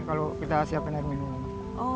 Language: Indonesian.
iya betul ada persediaan air minum disini